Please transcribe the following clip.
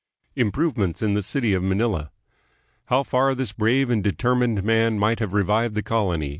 Improvements in the City of Manila. How far this brave and determined man might have revived the colony A CENTURY OF OBSCURITY.